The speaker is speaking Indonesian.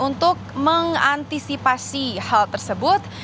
untuk mengantisipasi hal tersebut